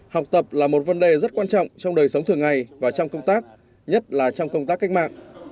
học tập là một vấn đề rất quan trọng trong đời sống thường ngày và trong công tác nhất là trong công tác cách mạng